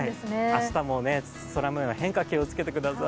明日も空もようの変化に気をつけてください